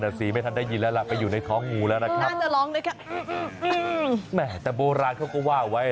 นั่นอ่ะสิไม่ทันได้ยินแล้วล่ะไปอยู่ในท้องงูแล้วนะครับ